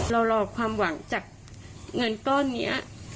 รอความหวังจากเงินก้อนนี้